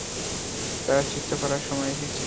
প্রায়শ্চিত্ত করার সময় এসেছে!